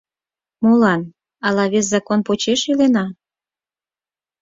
Молан ала вес закон почеш илена?